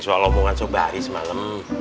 soal omongan sobari semalam